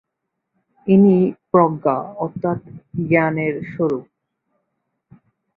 ইনি প্রজ্ঞা অর্থাৎ জ্ঞানের স্বরূপ।